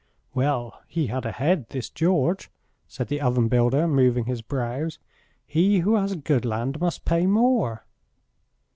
"Well, he had a head, this George," said the oven builder, moving his brows. "He who has good land must pay more."